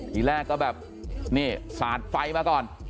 ทีแรกก็แบบนี่สาดไฟมาก่อน